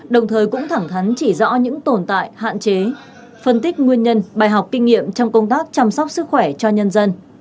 đồng thời cũng thẳng thắn chỉ rõ những tồn tại hạn chế phân tích nguyên nhân bài học kinh nghiệm trong công tác chăm sóc sức khỏe cho nhân dân